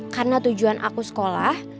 karena tujuan aku sekolah